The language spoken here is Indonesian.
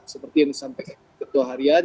seperti yang disampaikan ketua harian